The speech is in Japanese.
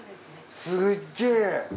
すっげぇ！